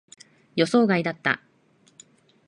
予想外だった。